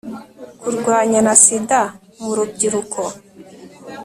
kurwanya na sida mu rubyiruko